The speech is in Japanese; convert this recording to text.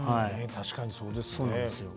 確かにそうですよね。